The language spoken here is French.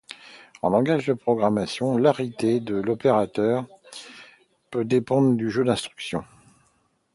En langage de programmation, l'arité de l'opérateur peut dépendre du jeu d'instructions.